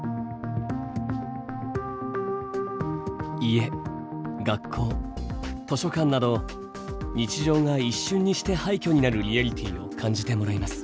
家学校図書館など日常が一瞬にして廃虚になるリアリティーを感じてもらいます。